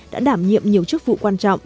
đã đảm nhiệm nhiều chức vụ quan trọng